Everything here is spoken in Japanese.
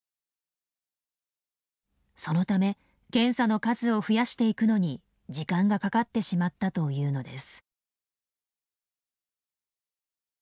そのため検査の数を増やしていくのに時間がかかってしまったというのです。